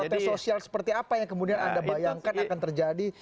protes sosial seperti apa yang kemudian anda bayangkan akan terjadi